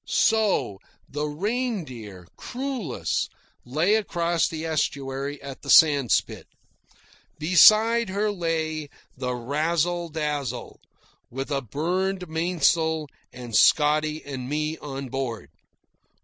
So the Reindeer, crewless, lay across the estuary at the sandspit. Beside her lay the Razzle Dazzle with a burned mainsail and Scotty and me on board.